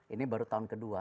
ini baru tahun ke dua